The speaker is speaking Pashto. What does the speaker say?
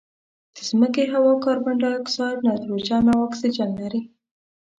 د مځکې هوا کاربن ډای اکسایډ، نایتروجن او اکسیجن لري.